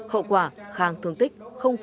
hậu quả khang thương tích một